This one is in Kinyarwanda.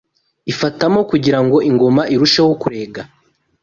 ifatamo kugirango ingoma irusheho kurega